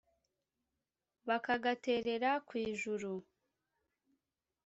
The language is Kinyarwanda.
bakagaterera kw’ijuru